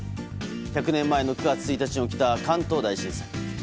１００年前の９月１日に起きた関東大震災。